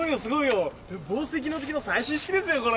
防水機能付きの最新式ですよこれ！？